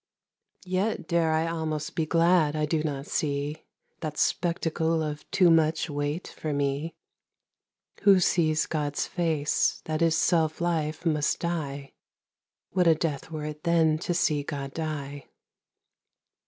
Yet dare I'almost be glad, I do not seeThat spectacle of too much weight for mee. Who sees Gods face, that is selfe life, must dye; What a death were it then to see God dye?